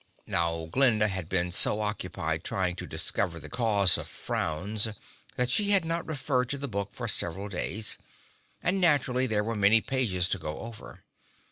Now, Glinda had been so occupied trying to discover the cause of frowns that she had not referred to the book for several days and naturally there were many pages to go over.